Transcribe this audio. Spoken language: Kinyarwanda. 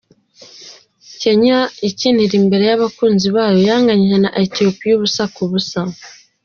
Kenya ikinira imbere y’abakunzi bayo yanganyije na Ethiopia ubusa ku busa.